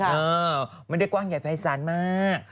มันยักดีกว้างใหญ่แผ่นสรรค์มัก